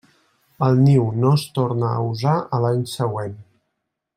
El niu no es torna a usar a l'any següent.